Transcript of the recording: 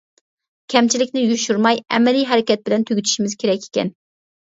كەمچىلىكنى يوشۇرماي، ئەمەلىي ھەرىكەت بىلەن تۈگىتىشىمىز كېرەك ئىكەن.